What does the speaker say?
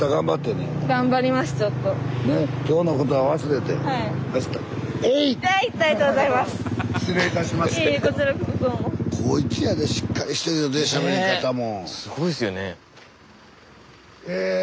ねっすごいですよね。